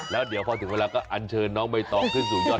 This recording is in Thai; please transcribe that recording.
แล้วเดี๋ยวพอถึงเวลาก็อันเชิญน้องใบตองขึ้นสู่ยอด